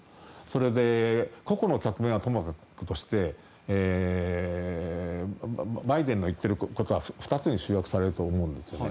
それで個々の局面はともかくとしてバイデンの言っていることは２つに集約されると思うんです。